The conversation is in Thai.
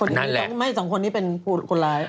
นั่นแหละแล้ว๒คนนี้ไม่สองคนนี้เป็นผู้ร้าย